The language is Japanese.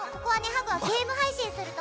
ハグはゲーム配信する所。